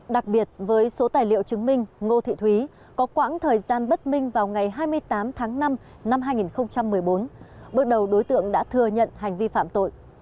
đặc biệt với số tài liệu chứng minh ngô thị thúy có quãng thời gian bất minh vào ngày hai mươi tám tháng năm năm hai nghìn một mươi bốn bước đầu đối tượng đã thừa nhận hành vi phạm tội